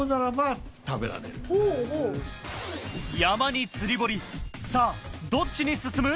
山に釣り堀さぁどっちに進む？